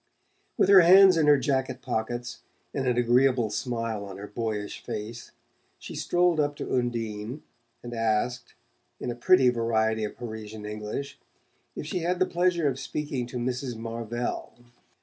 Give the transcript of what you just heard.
With her hands in her jacket pockets, and an agreeable smile on her boyish face, she strolled up to Undine and asked, in a pretty variety of Parisian English, if she had the pleasure of speaking to Mrs. Marvell.